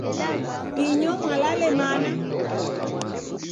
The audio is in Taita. Inyo mwalale mana?